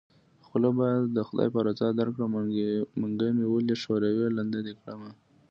خوله به د خدای په رضا درکړم منګۍ مې ولی ښوروی لنده دې کړمه